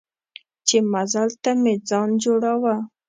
چې مزل ته مې ځان جوړاوه.